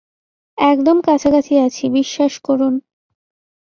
একদম কাছাকাছি আছি, বিশ্বাস করুন।